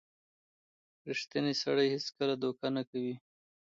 • ریښتینی سړی هیڅکله دوکه نه کوي.